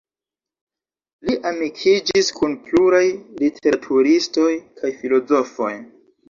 Li amikiĝis kun pluraj literaturistoj kaj filozofoj.